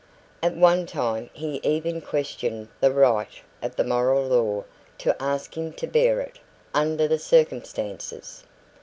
At one time he even questioned the right of the Moral Law to ask him to bear it, under the circumstances.